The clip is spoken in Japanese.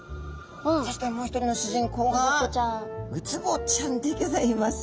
そしてもう一人の主人公がウツボちゃんでギョざいます！